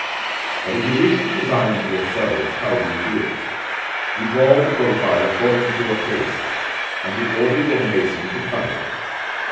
But if you wish to design them yourselves, how do you do it? You draw the profile according to your taste, and you order your mason to cut it.